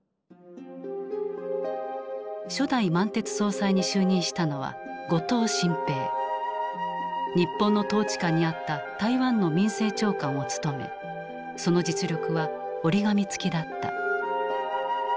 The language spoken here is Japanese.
初代満鉄総裁に就任したのは日本の統治下にあった台湾の民政長官を務めその実力は折り紙付きだった。